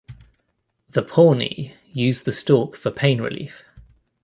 The Pawnee used the stalk for pain relief.